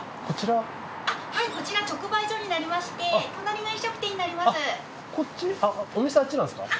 こちら直売所になりまして隣が飲食店になります。